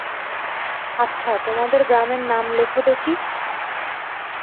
আচ্ছা, তোমাদের গ্রামের নাম লেখো দেখি।